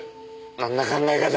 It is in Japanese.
あんな考え方。